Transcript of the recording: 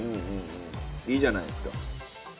いいじゃないですか。